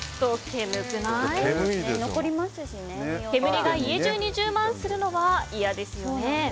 煙が家中に充満するのは嫌ですよね。